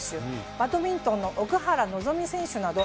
バドミントンの奥原希望選手など。